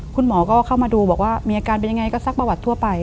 คุณหมอก็เข้ามาดูบอกว่ามีอาการเป็นยังไงก็ซักประวัติทั่วไป